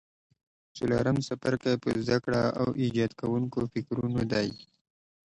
څلورم څپرکی په زده کړه او ایجادوونکو فکرونو دی.